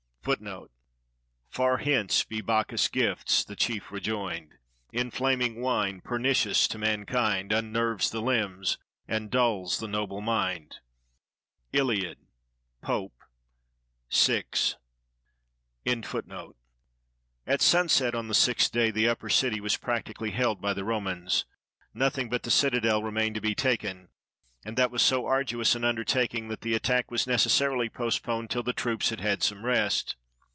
^' '"Far hence be Bacchus' gifts,' the chief rejoined; 'Inflaming wine, pernicious to mankind, Unnerves the limbs, and dulls the noble mind.' "— Iliad (Pope), vi. 290 THE FALL OF CARTHAGE At sunset on the sixth day the upper city was practi cally held by the Romans. Nothing but the citadel re mained to be taken, and that was so arduous an under taking that the attack was necessarily postponed till the troops had had some rest.